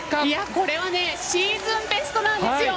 これはシーズンベストなんですよ。